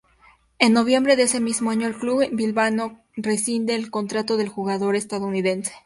En noviembre de ese mismo año, el club bilbaíno rescinde el contrato del jugador estadounidense.